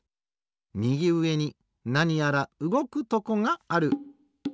みぎうえになにやらうごくとこがある。